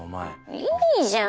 いいじゃん！